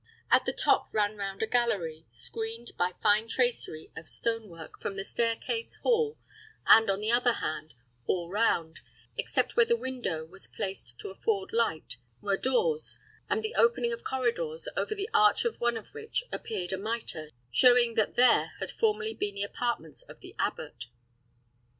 At the top ran round a gallery, screened by fine tracery of stone work from the stair case hall, and on the other hand, all round, except where the window was placed to afford light, were doors, and the opening of corridors, over the arch of one of which appeared a mitre, showing that there had formerly been the apartments of the abbot.